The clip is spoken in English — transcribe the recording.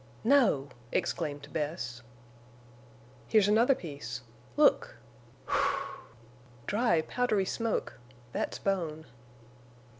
"No!" exclaimed Bess. "Here's another piece. Look!... Whew! dry, powdery smoke! That's bone."